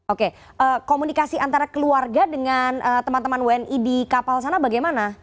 oke komunikasi antara keluarga dengan teman teman wni di kapal sana bagaimana